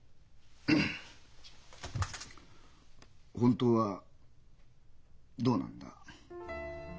本当はどうなんだ？